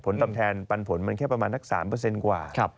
ตอบแทนปันผลมันแค่ประมาณสัก๓กว่า